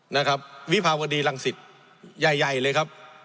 นะครับวิภาวดีรังสิตใหญ่ใหญ่เลยครับ